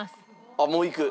あっもういく？